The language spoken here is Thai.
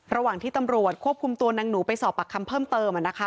ระหว่างที่ตำรวจควบคุมตัวนางหนูไปสอบปากคำเพิ่มเติม